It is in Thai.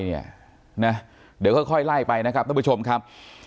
เดี๋ยวค่อยไล่ไปนะครับท่านผู้ชมครับ